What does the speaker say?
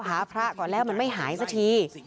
พระก่อนแล้วมันไม่หายสักที